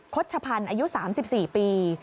ชพันธ์อายุ๓๔ปี